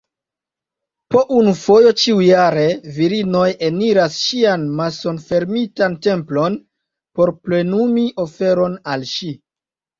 Po unu fojo ĉiujare, virinoj eniras ŝian mason-fermitan templon por plenumi oferon al ŝi.